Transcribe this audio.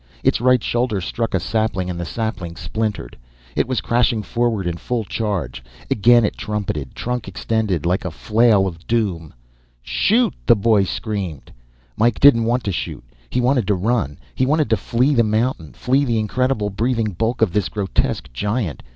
Its right shoulder struck a sapling and the sapling splintered. It was crashing forward in full charge. Again it trumpeted, trunk extended like a flail of doom. "Shoot!" screamed the boy. Mike didn't want to shoot. He wanted to run. He wanted to flee the mountain, flee the incredible breathing bulk of this grotesque giant.